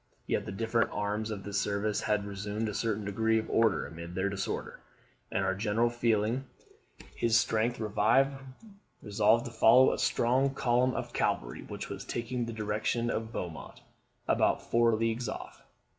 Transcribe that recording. Yet the different arms of the service had resumed a certain degree of order amid their disorder; and our General, feeling his strength revive, resolved to follow a strong column of cavalry which was taking the direction of Beaumont, about four leagues off.